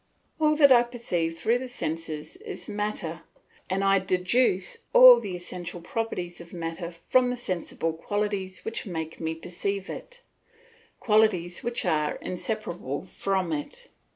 All that I perceive through the senses is matter, and I deduce all the essential properties of matter from the sensible qualities which make me perceive it, qualities which are inseparable from it.